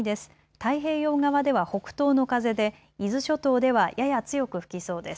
太平洋側では北東の風で伊豆諸島ではやや強く吹きそうです。